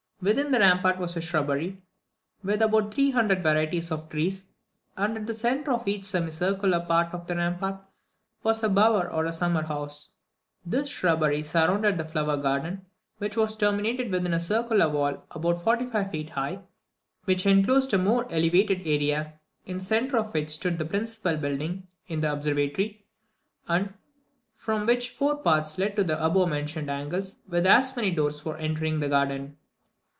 Within the rampart was a shrubbery with about three hundred varieties of trees; and at the centre of each semicircular part of the rampart was a bower or summer house. This shrubbery surrounded the flower garden, which was terminated within by a circular wall about forty five feet high, which enclosed a more elevated area, in the centre of which stood the principal building in the observatory, and from which four paths led to the above mentioned angles, with as many doors for entering the garden.